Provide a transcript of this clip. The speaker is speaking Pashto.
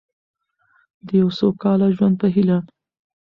د یو سوکاله ژوند په هیله.